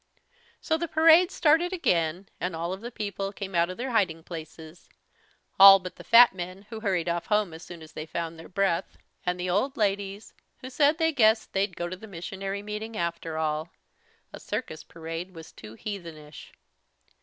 So the parade started again and all of the people came out of their hiding places, all but the fat men who hurried off home, as soon as they found their breath, and the old ladies who said they guessed they'd go to missionary meeting after all. A circus parade was too heathenish.